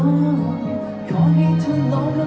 แค่อยากจะคอนรอง